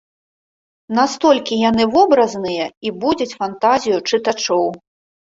Настолькі яны вобразныя і будзяць фантазію чытачоў.